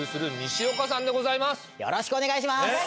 よろしくお願いします。